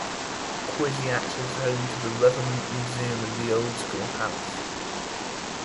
Cuisiat is home to the Revermont museum in the old school house.